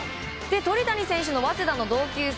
鳥谷選手の早稲田の同級生